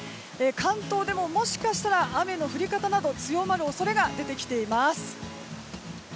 関東でももしかしたら雨の降り方など強まる恐れが出てきています。